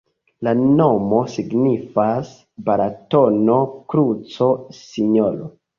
La nomo signifas: Balatono-kruco-Sinjoro.